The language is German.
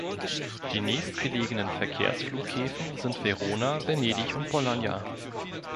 Die nächstgelegenen Verkehrsflughäfen sind Verona, Venedig und Bologna.